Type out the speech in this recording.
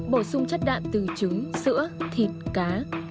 bổ sung chất đạm từ trứng sữa thịt cá